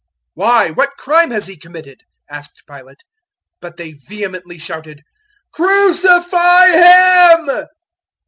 015:014 "Why, what crime has he committed?" asked Pilate. But they vehemently shouted, "Crucify Him!"